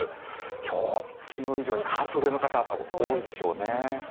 今日、昨日以上に半袖の方が多いでしょうね。